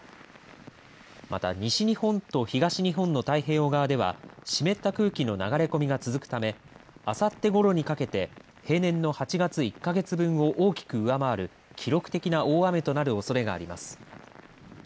また西日本と東日本の太平洋側では湿った空気の流れ込みが続くためあさってごろにかけて平年の８月１か月分を大きく上回る記録的な大雨となるおそれがあります。